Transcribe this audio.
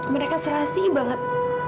mereka selasih banget